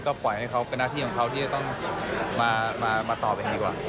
ก็ปล่อยให้เขาเป็นหน้าที่ของเขาที่จะต้องมาต่อไปเองดีกว่า